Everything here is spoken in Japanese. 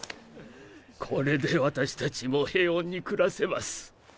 これで私たちも平穏に暮らせます。